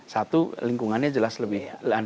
satu lingkungannya jelas lebih